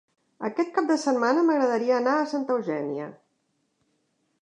Aquest cap de setmana m'agradaria anar a Santa Eugènia.